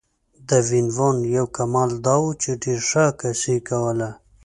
د وین وون یو کمال دا و چې ډېره ښه عکاسي یې کوله.